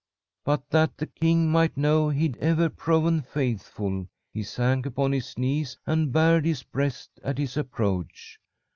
"But that the king might know he'd ever proven faithful, he sank upon his knees and bared his breast at his approach.